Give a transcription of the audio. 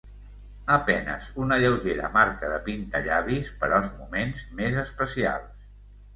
A penes una lleugera marca de pintallavis per als moments més especials.